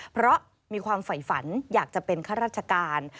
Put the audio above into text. เพราะมีความไฝฝันอยากจะเป็นข้าราชการ